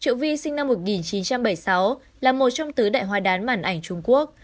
triệu vi sinh năm một nghìn chín trăm bảy mươi sáu là một trong tứ đại hòa đán màn ảnh trung quốc